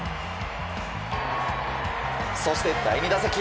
そして第２打席。